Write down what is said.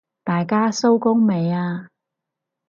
大家收工未啊？